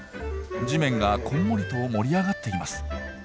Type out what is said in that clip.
地面がこんもりと盛り上がっています。